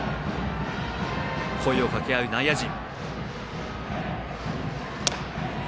声をかけ合う内野陣。